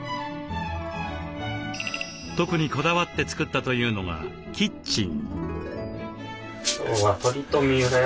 特にこだわって作ったというのがキッチン。